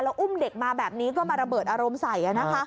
อุ้มเด็กมาแบบนี้ก็มาระเบิดอารมณ์ใส่